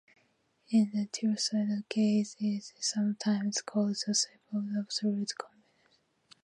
In the two-sided case, it is sometimes called the strip of absolute convergence.